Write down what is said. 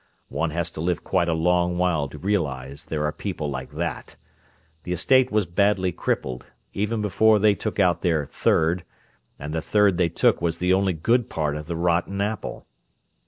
One has to live quite a long while to realize there are people like that! The estate was badly crippled, even before they took out their 'third,' and the 'third' they took was the only good part of the rotten apple.